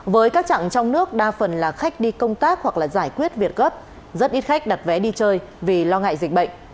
với các trạng trong nước đa phần là khách đi công tác hoặc là giải quyết việc gấp rất ít khách đặt vé đi chơi vì lo ngại dịch bệnh